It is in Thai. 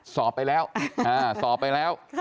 สอบไปแล้วสอบไปแล้ว